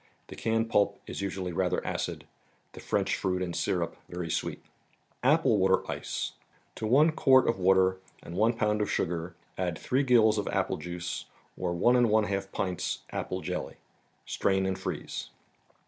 The canned pulp is usually rather acid, the French fruit in syrup very sweet. 1 WATER ICES. 41 S&PU Wi&tZK %£♦ Toonec l uart of water and * one pound of sugar add three gills of apple juice or one and one half pints apple jelly. Strain and freeze.